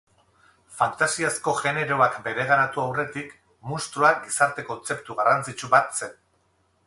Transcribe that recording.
Fantasiazko generoak bereganatu aurretik, munstroa gizarte kontzeptu garrantzitsu bat zen.